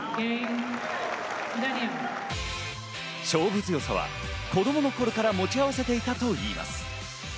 勝負強さは子供の頃から持ち合わせていたといいます。